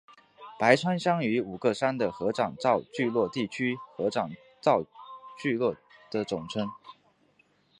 白川乡与五个山的合掌造聚落地区的合掌造聚落的总称。